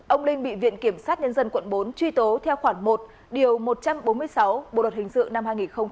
ông linh bị viện kiểm sát nhân dân quận bốn truy tố theo khoảng một điều một trăm bốn mươi sáu bộ luật hình sự năm hai nghìn một mươi năm